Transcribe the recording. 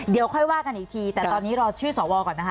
เดี๋ยวค่อยว่ากันอีกทีแต่ตอนนี้รอชื่อสวก่อนนะคะ